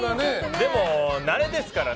でも、慣れですからね。